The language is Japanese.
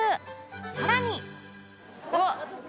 さらにあっ！